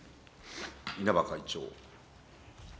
稲葉会長。